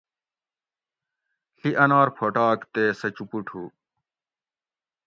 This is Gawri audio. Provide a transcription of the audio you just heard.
ڷی انار پھوٹاگ تے سہ چوپوٹ ھو